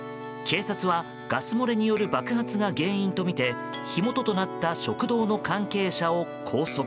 警察は、ガス漏れによる爆発が原因とみて火元となった食堂の関係者を拘束。